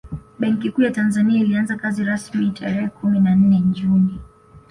Benki Kuu ya Tanzania ilianza kazi rasmi tarehe kumi na nne Juni